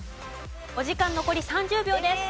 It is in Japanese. お時間残り３０秒です。